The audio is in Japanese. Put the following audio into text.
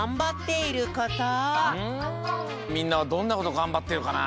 みんなはどんなことがんばってるかな？